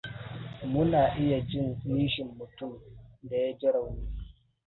Muna iya jin nishin mutumin da ya ji rauni.